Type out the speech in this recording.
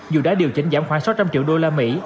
dù đã điều chỉnh giảm khoảng sáu trăm linh triệu đô la mỹ